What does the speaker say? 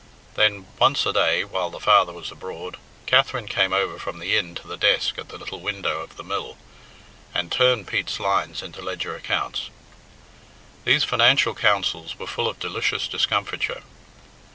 Then, once a day, while the father was abroad, Katherine came over from the inn to the desk at the little window of the mill, and turned Pete's lines into ledger accounts. These financial councils were full of delicious discomfiture.